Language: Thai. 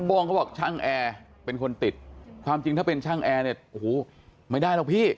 โก้งเขาบอกช่างแอร์เป็นคนติดความจริงถ้าเป็นช่างแอร์เนี่ยโอ้โหไม่ได้หรอกพี่